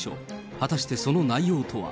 果たしてその内容とは。